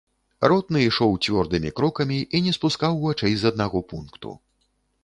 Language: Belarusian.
Ротны ішоў цвёрдымі крокамі і не спускаў вачэй з аднаго пункту.